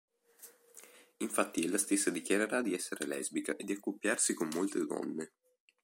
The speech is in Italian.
Infatti ella stessa dichiarerà di essere lesbica e di accoppiarsi con molte donne.